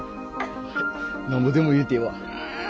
なんぼでも言うてええわ。